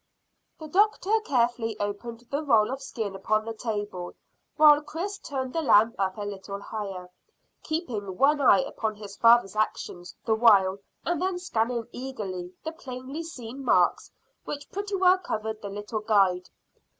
The doctor carefully opened the roll of skin upon the table, while Chris turned the lamp up a little higher, keeping one eye upon his father's actions the while and then scanning eagerly the plainly seen marks which pretty well covered the little guide.